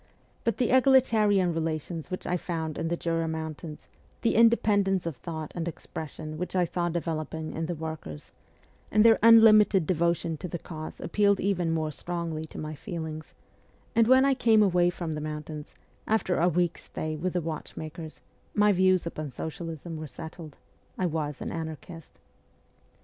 But the equalitarian relations which I found in the Jura Mountains, the independence of thought and expression which I saw developing in the workers, and their unlimited devotion to the cause appealed even more strongly to my feelings ; and when I came away from the mountains, after a week's stay with the watchmakers, my views upon socialism were settled. I was an anarchist.